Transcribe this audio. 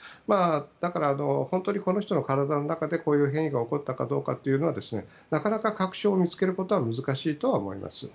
だから本当にこの人の体の中でこういう変異が起こったかどうかはなかなか確証を見つけることは難しいと思います。